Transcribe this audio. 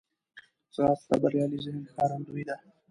ځغاسته د بریالي ذهن ښکارندوی ده